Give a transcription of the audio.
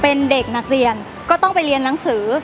เป็นเด็กนักเรียนก็ต้องไปเรียนหนังสือ